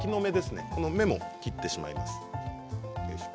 この芽も切ってしまいます。